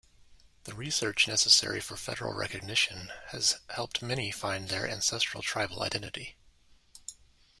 The research necessary for Federal Recognition has helped many find their ancestral tribal identity.